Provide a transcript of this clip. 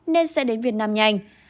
nên sẽ đến việt nam nhanh